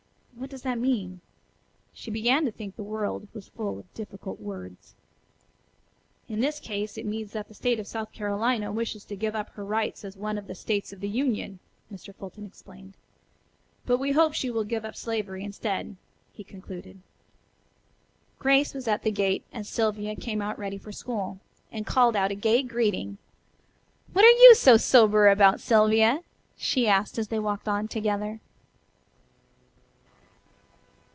What does that mean?" She began to think the world was full of difficult words. "In this case it means that the State of South Carolina wishes to give up her rights as one of the States of the Union," Mr. Fulton explained, "but we hope she will give up slavery instead," he concluded. Grace was at the gate as Sylvia came out ready for school, and called out a gay greeting. "What are you so sober about, Sylvia?" she asked as they walked on together.